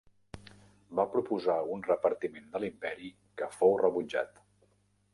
Va proposar un repartiment de l'imperi que fou rebutjat.